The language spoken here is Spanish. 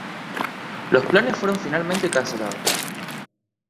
Los planes fueron finalmente cancelados.